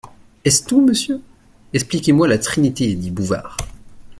Est-ce tout, monsieur ? Expliquez-moi la Trinité dit Bouvard.